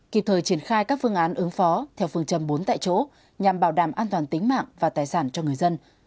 kịp thời triển khai các phương án ứng phó theo phương châm bốn tại chỗ nhằm bảo đảm an toàn tính mạng và tài sản cho người dân